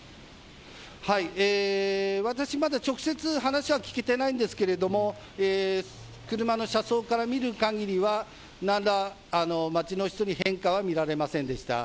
私、まだ直接話は聞き出ないんですけれども車の車窓から見る限りは何ら街の人に変化は見られませんでした。